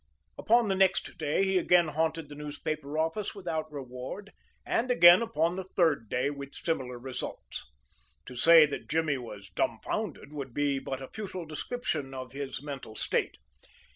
Upon the next day he again haunted the newspaper office without reward, and again upon the third day with similar results. To say that Jimmy was dumfounded would be but a futile description of his mental state.